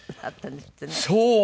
そう！